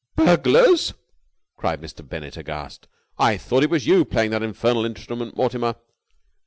"Burglars!" cried Mr. Bennett aghast. "I thought it was you playing that infernal instrument, Mortimer."